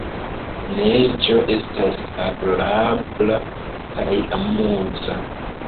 Neĝo estas agrabla kaj amuza.